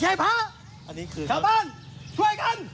ใช่พระไหมพร้อมตามนี้ชาวบ้านใช่ไหม